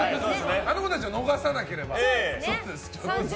あの子たちを逃さなければ。